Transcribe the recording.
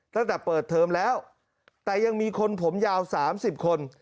ตั้งแต่เปิดเทอมแล้วแต่ยังมีคนผมยาว๓๐คน